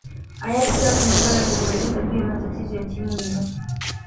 Hayati Tabu Mangara alimueleza juu ya matatizo ya timu hiyo